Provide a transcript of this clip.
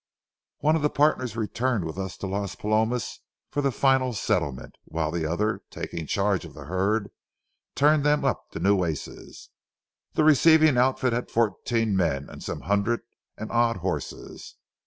One of the partners returned with us to Las Palomas for the final settlement, while the other, taking charge of the herd, turned them up the Nueces. The receiving outfit had fourteen men and some hundred and odd horses.